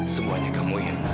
semuanya kamu yang